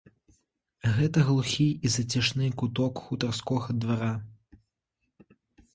Гэта глухі і зацішны куток хутарскога двара.